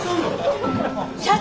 社長。